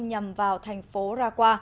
nhằm vào thành phố raqqa